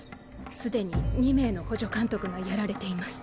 すでに２名の補助監督がやられています。